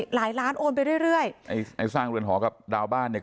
หลายล้านโอนไปเรื่อยเรื่อยไอ้ไอ้สร้างเรือนหอกับดาวบ้านเนี่ย